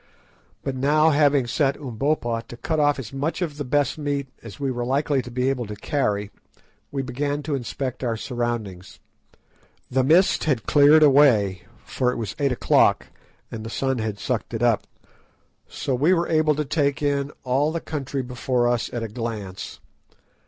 But now, having set Umbopa to cut off as much of the best meat as we were likely to be able to carry, we began to inspect our surroundings. The mist had cleared away, for it was eight o'clock, and the sun had sucked it up, so we were able to take in all the country before us at a glance.